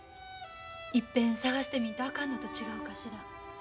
いっぺん捜してみんとあかんのと違うかしら。